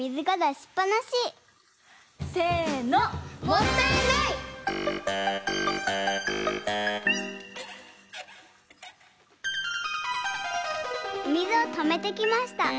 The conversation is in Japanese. おみずをとめてきました。